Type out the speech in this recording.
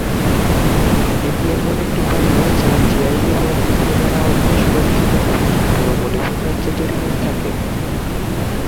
এটি এমন একটি পণ্য যা জিআই নিবন্ধের আওতায় সুরক্ষিত এবং এটি এখন পুরো মণিপুর রাজ্যে তৈরি হয়ে থাকে।